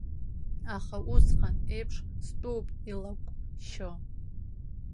Аха, усҟан еиԥш, стәоуп илакәшьо.